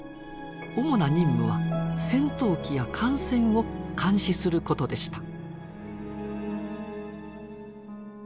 主な任務は戦闘機や艦船を監視することでした。